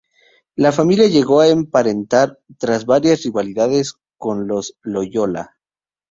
La familia llegó a emparentar, tras varias rivalidades, con los Loyola.